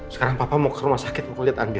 sekarang papa mau ke rumah sakit mau liat andien